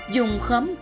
dùng khóm cầu đúc